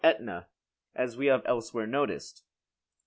Ætna, as we have elsewhere noticed.